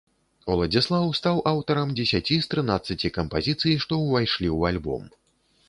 Уладзіслаў стаў аўтарам дзесяці з трынаццаці кампазіцый, што ўвайшлі ў альбом.